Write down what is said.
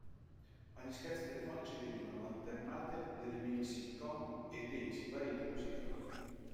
Agli scherzi telefonici venivano alternate delle mini sit-com e dei siparietti musicali.